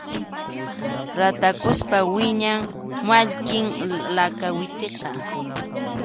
Ratakuspa wiñaq mallkim lakawitiqa.